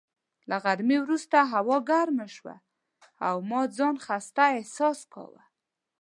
له غرمې وروسته هوا ګرمه شوه او ما ځان خسته احساس کاوه.